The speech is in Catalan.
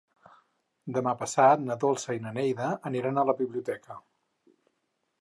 Demà passat na Dolça i na Neida aniran a la biblioteca.